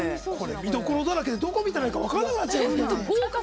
見どころだらけでどこ見たらいいか分からなくなっちゃう。